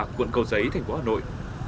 quận cầu giấy thành phố hà nội